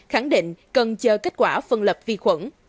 khẳng định cần chờ kết quả phân lập vi khuẩn